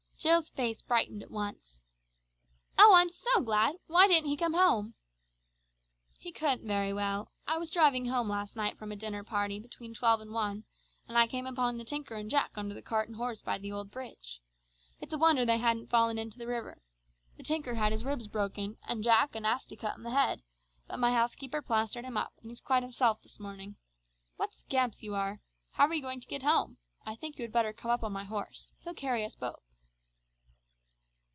Jill's face brightened at once. "Oh, I am so glad; why didn't he come home?" "He couldn't very well. I was driving home last night from a dinner party between twelve and one, and I came upon the tinker and Jack under the cart and horse by the old bridge. It's a wonder they hadn't fallen into the river. The tinker had his ribs broken, and Jack a nasty cut on the head, but my housekeeper plastered him up, and he's quite himself this morning. What scamps you are! How are you going to get home? I think you had better come up on my horse. He'll carry us both."